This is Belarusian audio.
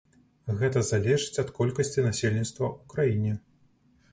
Гэта залежыць ад колькасці насельніцтва ў краіне.